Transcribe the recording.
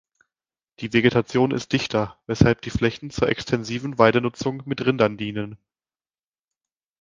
Die Vegetation ist dichter, weshalb die Flächen zur extensiven Weidenutzung mit Rindern dienen.